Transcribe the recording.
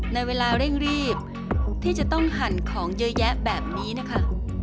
ในเวลาเร่งรีบที่จะต้องหั่นของเยอะแยะแบบนี้นะคะ